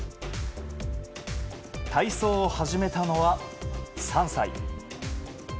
体操を始めたのは３歳。